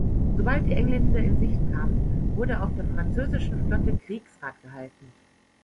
Sobald die Engländer in Sicht kamen, wurde auf der französischen Flotte Kriegsrat gehalten.